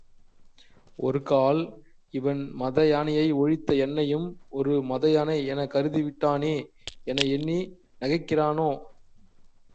ஒரு கால் இவன் மதயானையை ஒழித்த என்னையும் ஒரு மதயானை எனக் கருகிவிட்டானே என எண்ணி நகைக்கிறானோ?